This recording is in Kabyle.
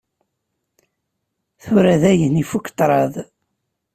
Tura dayen ifukk ṭṭraḍ.